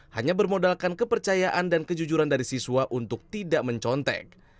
hanya bermodalkan kepercayaan dan kejujuran dari siswa untuk tidak mencontek